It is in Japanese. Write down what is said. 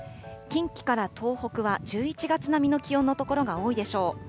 近畿から東北は１１月並みの気温の所が多いでしょう。